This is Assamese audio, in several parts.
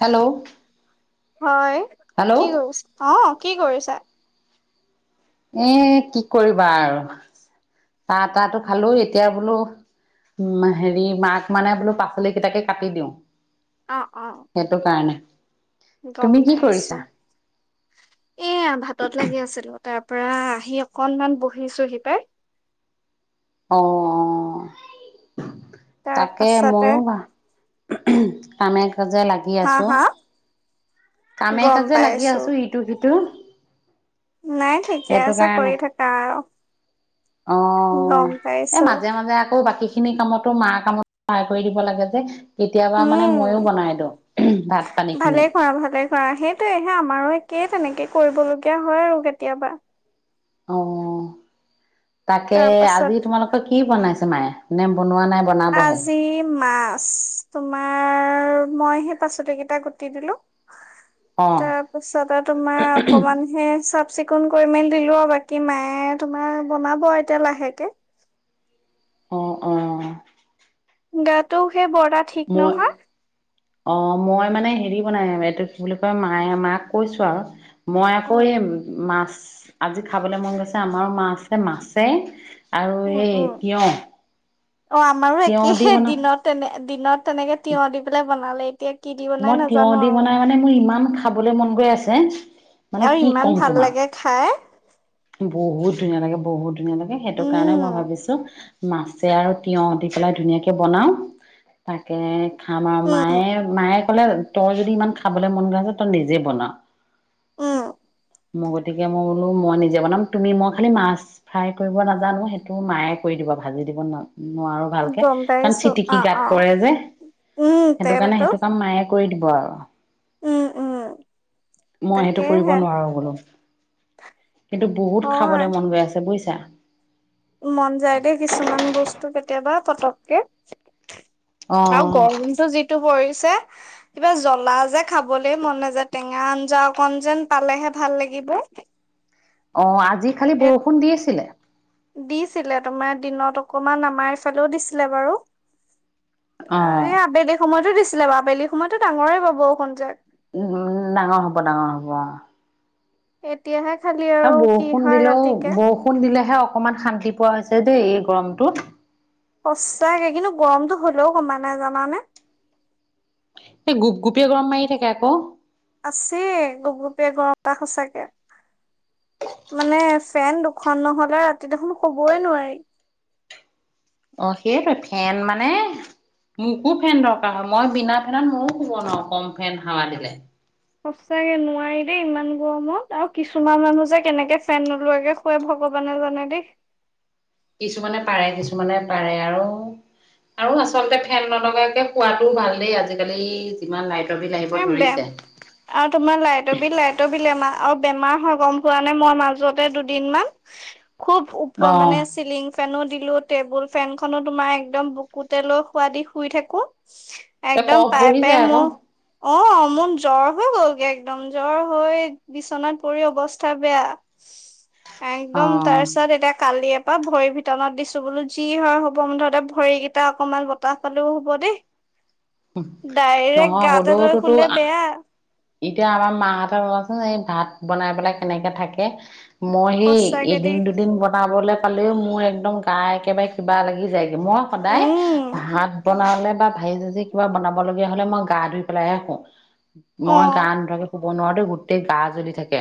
হেল্ল' হয় হেল্ল' কি কৰিচ অ কি কৰিছা? এ কি কৰিবা আৰু চাহ তাহটো খালো এতিয়া বোলো উম হেৰি মাক মানে বোলো পাচলি কেইটাকে কাটি দিওঁ। অ অ সেইটো কাৰণে গম তুমি কি পাই আছো কৰিছা এয়া ভাতত লাগি আছিলো। তাৰ পৰা আহি অকনমান বহিছো সি পাই অ অ তাৰ তাকে পাছতে ময়ো বা কামেখ্য লাগি হা আছো হা কামে গম কাজে লাগি পাইছো আছো ইটো সিটো দু নাই ঠিকে আছে কৰি থাকা আৰু অ গম এ পাইছো মাজে মাজে আকৌ বাকী খিনি কামতো মাৰ কামত সহায় কৰি দিব লাগে যে। কেতিয়াবা মানে উম ময়ো বনাই দিওঁ ভাত পানী খিনি। ধৰা সেইটো হে আমাৰো একেই তেনেকে কৰিবলীয়া হয় আৰু কেতিয়াবা। অ তাকে তাৰ পাছত আজি তোমালোকৰ কি বনাইছে? নাই নে বনোৱা নাই বনাবহে? আজি মাছ তোমাৰ? আৰু মই সেই পাচলি কেইটা গুটি দিলো। অ', তাৰপিছতে তোমাৰ অকমান হে চ চিকুণ কৰি মেলি দিলো বাকী মায়ে তোমাৰ বনাব এতিয়া লাহেকে। অ অ গাটো সেই বৰ গা ঠিক মই নহয়। অ মই মানে হেৰি বনাই এইটো কি বুলি কয় মায়ে মাক কৈছো আৰু মই আকৌ উম এই মাছ আজি খাবলৈ মন গৈছে আমাৰো মা আছে মাছে আৰু উম এই উম তিয়ঁহ। অ আমাৰো একে দিনত তেনে দিনত তেনেকে তিঁয়হ দি পেলাই বনালে। এতিয়া কি দি বনাই মই তিঁয়হ নাজানো দি আৰু বনাই মানে মোৰ ইমান খাবলৈ মন গৈ আছে। মানে আৰু কি ইমান ক'ম ভাল তোমাক লাগে খাই। বহুত ধুনীয়া লাগে বহুত। ধুনীয়া লাগে সেইটো কাৰণে উম মই ভাবিছো মাছে আৰু তিঁয়হ দি পেলাই ধুনীয়াকৈ বনাওঁ তাকে খাম আৰু উম মায়ে মায়ে হলে তই যদি ইমান খাবলৈ মন গৈ আছে তই নিজে বনা। উম মই গতিকে মই বোলো মই নিজে বনাম তুমি মই খালি মাছ ফ্ৰাই কৰিব নাজানো সেইটো মায়ে কৰি দিব ভাজি দিব নোৱাৰো। নোৱাৰো উম ভালকে গম কাৰণ পাইছো অ চিটিকি গাত অ পৰে যে উম সেইটো কাৰণে তেলটো সেইটো কাম মায়ে কৰি দিব আৰু। উম উম মই সেইটো কৰিব তাকেহে নোৱাৰো বোলো। কিন্তু বহুত খাবলৈ হয় মন গৈ আছে বুজিছা। যা। মন যায় দেই কিছুমান বস্তু কেতিয়াবা পতককে। অ আৰু গৰমতো যিটো পৰি যে জ্বলা যে খাবলৈ মন নযায় টেঙা আঞ্জা অকন যেন পালেহে ভাল লাগিব। অ আ আজি খালি এ বৰষুণ দি আছিলে। দিছিলে তোমাৰ দিনত অকমান আমাৰ ফালেও দিছিলে বাৰু এই উম আবেলিক সময়তো দিছে ছিলে বা আবেলি সময়তো ডাঙৰে পাবুন যাক উম ডাঙৰ হব ডাঙৰ হ'ব এতিয়াহে খালি আৰু কি বৰষুণ হয় দিলেও ৰাতিকে বৰষুণ দিলে ে অকমান শান্তি পোৱা হৈছে দেই এই গৰমটোত সচাকে কিন্তু গৰমটোো হ'লেও কমাই নাই জানানে এই গোপ গোপিয় গৰম মাৰি থাকে আকৌ আছে গপগপে ঘৰটা সচাকে মানে ফেন দুখন নহ'লে ৰাতি দেখোন শবই নোৱাৰি অ সেইটোে ফেন মানে মোকো এফেন দৰকাৰ হয় মই বিনা ফেনত ময়ো শুব নোৱাৰো কম ফেন হাৱা দিলে সঁচাকে নোৱাৰি দেই ইমান গৰমত আৰু কিছুমানান যে কেনেকে ফেন নোলোৱাকে খুৱাই ভগৱানে জানে দেই কিছুমানে পাৰে কিছুমানে পাৰে আৰু আৰু আচলতে ফেন নলগাকে খোৱাতটোও ভাল দেই আজিকালি যিমান লাই এম বোম আৰু তোমাৰ লাইটৰ বিল লাইটৰ বিল আমাৰ আৰু বেমাৰ হয় গম পোৱা নাই মই মাজতে দুদিন মমান খুব উপ অ মানে চিলিং ফেনো দিলো টেবুল ফেনখননো তোমাৰ একদম বুকুতেলৈ খোৱ দি শুই থাকো এ একদম কফ পাই বহি পাই যায় আকৌ মোৰ অ মন জ্বৰ হৈ গ'লগে একদম জ্বৰ হৈ বিচনাত পৰি অৱস্থা বেয়া অ একদম তাৰপিছত এতিয়া কালি তাৰা ভৰিৰ ভিতনত দিছো বোলো যি হয় হ'ব ম ধৰ ভৰিকেইটা অকনমান বতাহ পালেও হব দেই ডাইৰেক্ট গাত ৰৌততো এতিয়া আমাৰ মাহ এটা ৰচোন এই ভাত বনাই পেলাই কেনেকে থাকে মই সেই সঁচাকে এদিন দেই দুদিন বনাবলৈ পালেও মোৰ একদম গা একেবাৰে কিবা লাগি যায়গৈ মই সদায় উম ভাত বনালে বা ভাজি চাজি কিবা বনাব লগীয়া হ'লে মই গা ধুই পেলাইহে শুওঁ মই অ গানা নোধোৱাকে শুব বনোৱাতে গোটেই গা জ্বলি থাকে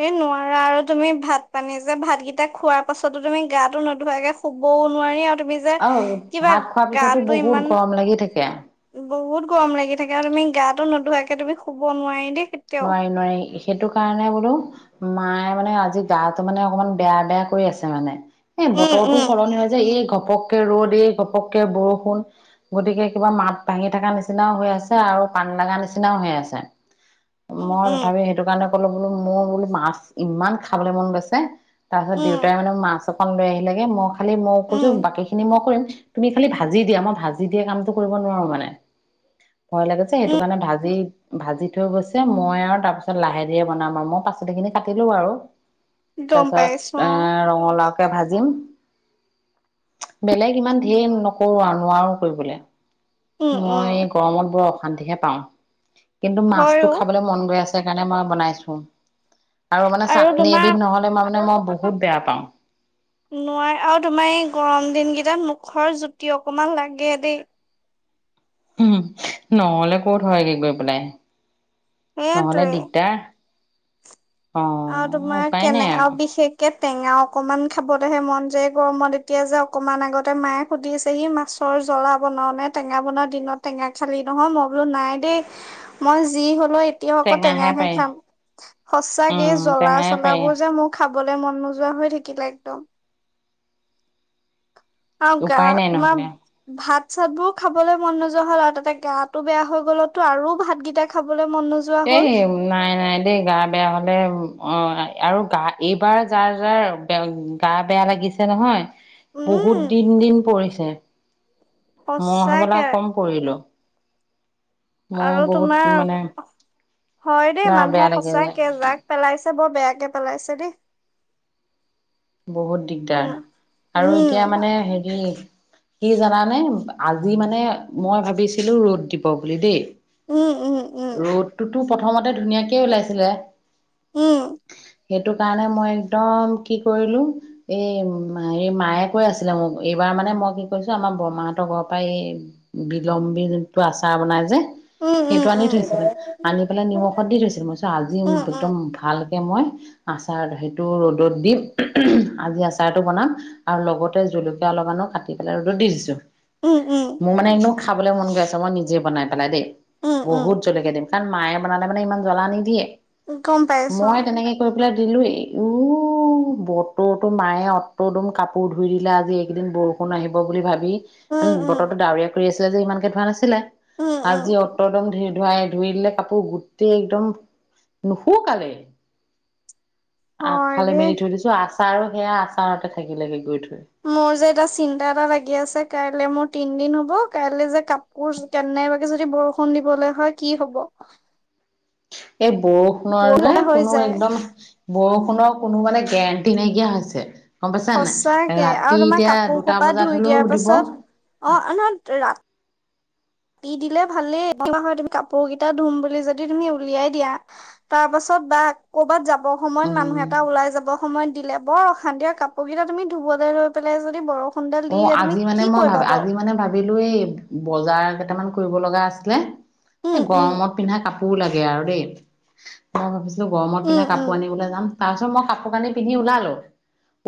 এ নোৱাৰা আৰু তুমি ভাত পানী যে ভাতকেইটা খোৱাৰ পাছতো তুমি গাটো নোধোৱাকে শুবও নোৱাৰি আৰু তুমি যে অ কিবা ভাত খোৱাৰ পিছতো গাটো বহুত ইমান গৰম লাগি থাকে বহুত গৰম লাগি থাকে আৰু তুমি গাটো নোধুৱাকে তুমি শুব নোৱাৰি দেই কেতিয়াও। নোৱাৰি নোৱাৰি সেইটো কাৰণে বোলো মায়ে মানে আজি গাটো মানে অকমান বেয়া বেয়া কৰি আছে মানে এ উম, বতৰটো উম, সলনি হয় যে এই ঘপ ঘপকে ৰ'দ এই ঘপককে বৰষুণ গতিকে কিবা মাত ভাঙি থকা নিচিনাও হৈ আছে আৰু পানী লগা নিচিনাও হৈ আছে উম, মই উম, তথাপি সেইটো কাৰণে বোলো মোৰ বোলো মাছ ইমান খাবলৈ মন গৈছে তাৰপছত উম, দেউতাই মানে মাছ অকন লৈ আহিলেগে মই খালি মই কৈছো উম, বাকী খিনি মই কৰিম তুমি খালি ভাজি দিয়া মই ভাজি দিয়া কামটো কৰিব নোৱাৰো মানে ভয় লাগে যে সেইটো উম, কাৰণে ভাজি ভাজিটো থ গৈছে মই আৰু তাৰপিছত লাহে ধীৰে বনাম আও মই পাচলি খিনি কাটিলো বাৰু তাৰ গম পিছত পাইছো এ অ', ৰঙালাও কে ভাজিম বেলেগ ইমান ধেৰ নকৰো আৰু নোৱাৰো কৰিবলৈ উম, উম, মই এই গৰমত বৰ অশ শান্তিহে পাওঁ কিন্তু হয় মাছটো অ খাবলৈ মন গৈ আছে কাৰণে মই বনাইছো আৰু মানে চাটনি এবিধ নহলে মই মানে মই বহুত বেয়া পাওঁ নোৱাৰে আৰু তোমাৰ এই গৰম দিনকেইটাত মুখৰ জুতি অকমান লাগে দেই উ নহ'লে ক'ত হয়গে গৈ পেলাই নহলে সেইটোৱে। দিগদাৰ অ তোমাৰ উপায় নাই কেনে আৰু বিশেষকে টেঙা অকমান খাবলৈহে মন যে গৰমত এতিয়া যে অকমান আগতে মায়ে সুধিছেহি মাছৰ জ্বলা বনাও নে টেঙা বনোৱা দিনত টেঙা খালি নহয় মই বোলো নাই দেই মই যি হলো তেতিয় আকৌ টেঙা টেঙাহে হে পাৰি খাম সচাক এই উম জলা টেঙাই পাৰি চলাবোৰ যে মোক খাবলে মন নযোৱা হৈ থাকিলে একদম আৰু গা উপায় নাই তোমাৰ নহলে ভাত চাতবোৰ খাবলৈ মন নযোৱা হ'ল আৰু তাতে গাো বেয়া হৈ গলতো আৰু ভাতকেইটা খাবলৈ মন নোযোৱা এই হ'ল। নাই নাই দেই গা বেয়া হলে অ আৰু গা এইবাৰ যাৰ যাৰ গা বেয়া লাগিছে নহয় বহুত উম দিন দিন পৰিছে মই হবলা সঁচাকে কম পৰিলো মোৰ আৰু বহুত তোমাৰ মানে হয় দেই গা বেয়া মানুহক লাগে যে সঁচাকে জাগ পেলাইছে বৰ বেয়াকে পেলাইছে দেই বহুত উম দিগদাৰ আৰু উম এতিয়া মানে হেৰি কি জানানে আজি মানে মই ভাবিছিলো ৰ'দ দিব বুলি দেই উম উম উম তটো প্ৰথমতে ধুনীয়াকে ওলাইছিলে উম সেইটো কাৰণে মই একদম কি কৰিলো এই হে মায়ে কৈ আছিলে মোক এইবাৰ মানে মই কি কৰিছো আমাৰ বৰমাহতৰ ঘৰৰ পৰা এই বিলম্বী যোনটো আচাৰ বনাই যে উম উম সেইটো আনি থৈছিলো আনি পেলাই নিমখত দি থৈছিলো মইছো আজি উম উম। একদম ভাল মই আচাৰ সেইটো ৰ'দত দিম আজি আচাৰটো বনাম আৰু লগতে জলকীয়া অলপমানো কাটি পেলাই ৰ'দত দি দিছোঁ উম উম খাবলৈ মন গৈ আছে মই নিজে বনাই পেলাই দেই উম বহুত জ্বলেকীয়া দিম কাৰণ মায়ে বনালে মানে ইমান জ্বলা নিদিয়ে গম পাইছো লা দিলো উ বতৰটো মায়ে অতদম কাপোৰ ধুই দিলে আজি এইকদিন বৰষুণ আহিব বুলি ভাবি অ ান উম উম। বতৰৰতো ডাৱৰীয়া কৰি আছে ছিল যে ইমানকে ধোৱাাছিলে উম উম আজি অত্দম ধিৰ ধুৱাই ধুই দিলে কাপোৰ গোটেই একদম নুশুকালে হয় আগফালে দেই। মেলি থৈ দিছো আ াৰো সেয়া আচাৰতে থাকিলে গৈ থ মোৰ যে এটা চিন্তা এটা লাগি আছে কাইলে মোৰ তিন দিন হ'ব কাইলে যে কাপোৰ কেনেবাকে যদি বৰষুণ দিবলে হয় কি হ'ব। এই বৰষুণৰ যে বৰষুণ হৈ কোনো যায়। একদম বৰষুণৰ কোনো মানে গেৰেণ্টি নাইকিয়া হৈছে। গম পাইছা নাই সঁচাকে ৰাতি আৰু তোমাৰ এতিয়া কাপোৰ দুটা কোপা বজাত ধুই হলেও দিয়াৰ দিব পাছত অ', ন' ৰা দিলে ভালেইা হয় তুমি কাপোৰ কেইটা ধুম বুলি যদি তুমি উলিয়াই দিয়া তাৰ পাছত বা কৰবাত যাব ব সময়ত মানুহ উম এটা ওলাই যাব সময়ত দিলে বৰ অশান্তি আৰু কাপোৰ কেইটা তুমি ধুবলৈ লৈ পেলাই যদি বৰষণ অ', আজি মানে মই, ভাব, আজি মানে ভাবিলো এই বজাৰটা কেইটামান কৰিব লগা আছিলে। উম উম গৰমত পিন্ধা কাপ টো লাগে আৰু দেই। গৰমত উম পিন্ধা কাপোৰ উম আনিবলে যাম। তাৰ পিছত মই কাপোৰ কানি পিন্ধি ওলালো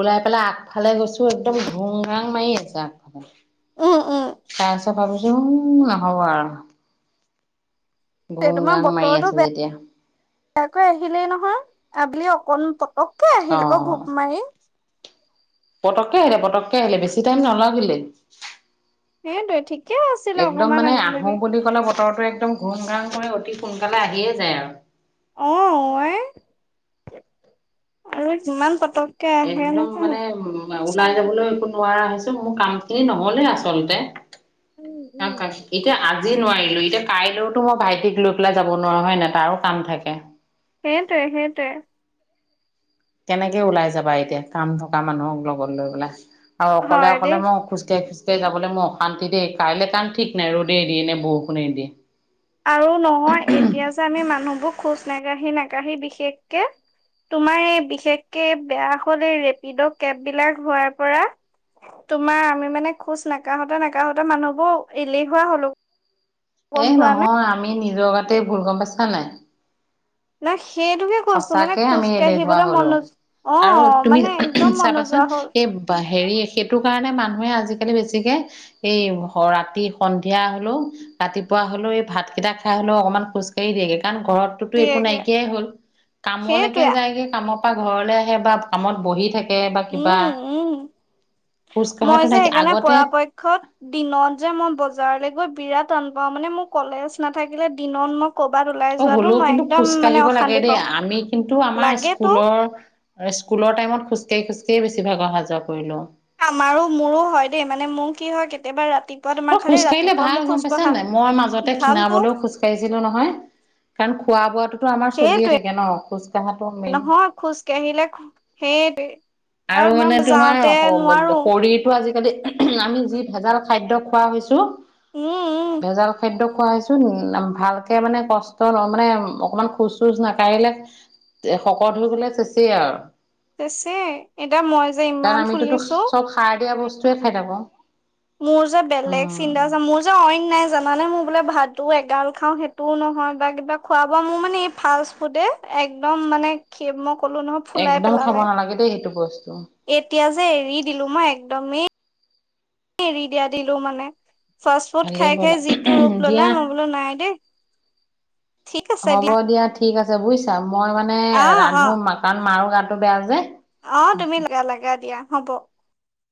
ওলাই পেলাই আগফালে গৈছো একদম ধুম ৰাং মাৰি আছে আৰ উম উম ভাবিছো নহ'ব আৰু। গোম গাং মাৰি আছে যেতিয়া। তয়াকৈ আহিলেই নহয় আবেলি অকণ ককে আহিল আকৌ ঘোপ মাৰি। পটককে আহিলে পতককে আহিলে বেছি টাইম নলাগিলে সে তই ঠিক। একদম মানে আহোঁ বুলি ক'লে বতৰটো একদম ঘূণ ঘাণ কৰি অতি সোনকালে আহিয়ে যায় আৰু অ' ই আৰু কিমান পটক কে আহে একদম মানে ওলাই যাবলৈ একো নোৱাৰা হৈছো মোৰ কাম খিনি নহলেই আচলতে। উম ক উম ক এতিয়া আজি নোৱাৰিলো এতিয়া কাইলৈওতো মই ভাইটিক লৈ পেলাই যাব নোৱাৰা হয় নাই তাৰো কাম থাকে। সেইটোৱে সেইটোৱে। কেনেকে ওলাই যাবা এতিয়া কাম থকা মানুহক লগত লৈ পেলাই? আৰু অকলে হয় দেই অকলে মই খোজকাঢ়ি যাবলৈ মই অশান্তি দেই কাইলৈ কাৰণ ঠিক নাই ৰদেই এদিয় নে বৰষুণে দিয়ে। আৰু নহয় এতিয়া যে আমি মানুহবোৰ খোজ নাকাঢ়ি নাকাঢ়ি বিশেষকে তোমাৰ এই বিশেষকে বেয়া হল এই ৰেপিড' কেব বিলাক হোৱাৰ পৰা তোমাৰ আমি মানে খোজ নাকাহোত নাকাহঁত মানুহবোৰ এলেহুৱা হলো। গম এ পোৱা নে? নহয় আমি নি নিজৰ গাতেই ভুল গম পাইছা নাই? নাই সেইটোকে কৈছো মানে সঁচাকে আমি এলেহুৱা খোজকাঢ়িবলৈ মন হলো। নোযো অ আৰু তুমি মানে একদম মন চাবাচোন নোযোৱা হ'ল এই হেৰি সেইটো কাৰণে মানুহে আজিকালি বেছিকে এই ৰাতি সন্ধিয়া হ'লেও ৰাতিপুৱা হ'লেও এই ভাত কেইটা খাই হ'লেও অকনমান খোজ কাঢ়ি দিয়েগে কাৰণ ঘৰতটোতো একো দিয়েকে নাইকিয়াই হ'ল কামলৈকে সেইটোৱে যায়গে কাম কামৰ পৰা ঘৰলে আহে বা কামত বহি থাকে বা কিবা উম উম খোজ মই কঢ়াটো যে নাইকিয়া সেইকাৰণে আগতে পৰাপক্ষত দিনত যে মই বজাৰলৈ গৈ বিৰাট টান পাওঁ মানে মোৰ কলেজ নাথাকিলে দিনত মোক অ হ'লেও কিন্তু খোজকাঢ়িব লাগে অশান্তি দেই পাওঁ আমি কিন্তু আমাৰ লাগেতো স্কুলৰ স্কুলৰ টাইমত খোজ কাঢ়ি খোজ তে বেছি ভাগ অহ যোৱা কৰিলো আমাৰো মোৰো হয় দেই মানে মোৰ কি হয় কেতিয়াবা ৰা অ খোজ কাঢ়িলে ভাল গম পাইছান নে মই মাজতে ভালতো খীণাবলৈও খোজ কাঢ়িছিলো নহয় কাৰণ খোৱা বোৱা তোট সেইটোৱে মেইন নহয় খোজ কাঢ়িলে সেইটোৱে আৰু মানে মই তোমাৰ যাওঁতে নোৱাৰো [unintelligible] শৰীৰটো আজি আজিকালি আমি যি ভেজাল খাদ্য খোৱা হৈছোঁ উম উম ভেজাল খাদ্য খোৱা হৈছে ভালকে মানে কষ্ট ল মানে অকমান খোজ চোজ নাকঢ়িলে শকত হৈ গলে চেঁচেই আৰু ছে এতিয়া মই যে ইমান ফুলিছো বস্তুৱেই খাই তাব মোৰ যে বেলেগ চিন্তাচা মোৰ যে অইন নাই জানো মানে মই বোলে ভাতো এগাল খাওঁ সেইটোও নহয় বা কিবা খোৱা বোৱা মোৰ মানে এই ফাষ্ট ফুডে একদম মানে মই ক'লো নহয় ফুলাই একদম খাব পেলালে নালাগে দেই সেইটো বছ এতিয়া যে এৰি দিলো মই একদমেই এৰি দিয়া দিলো মানে ফাষ্ট ফুড ভালেই খাই কৰিলা খাই যিটো ৰূপ ললা দিয়া মই বোলো নাই দেই ঠিক আছে দিয়া যাবই চাম মই মানে অ ৰান্ধো কাৰণ মাৰো টো বেয়া যে আ তুমি লা লগা দিয়া হ'ব